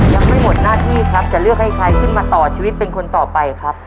ยังไม่หมดหน้าที่ครับจะเลือกให้ใครขึ้นมาต่อชีวิตเป็นคนต่อไปครับ